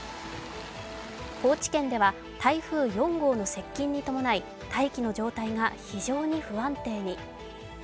高知県では台風４号の接近に伴い大気の状態が非常に不安定に。